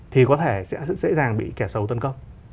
thì có thể sẽ dễ dàng bị kẻ sâu tấn công